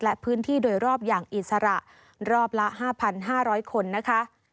และพื้นที่โดยรอบอย่างอิสระรอบละ๕๕๐๐คนนะคะ